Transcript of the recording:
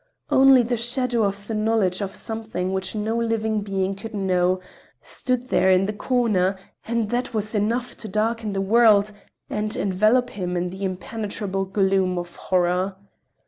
Only the shadow of the knowledge of something which no living being could know stood there in the corner, and that was enough to darken the world and envelop him with the impenetrable gloom of horror.